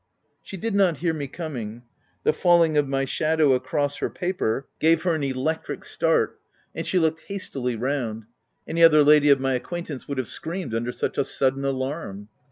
She did not hear me coming : the falling of my shadow across her paper, gave her an electric start ; and she looked hastily round — any other lady of my acquaintance would have screamed under such a sudden alarm.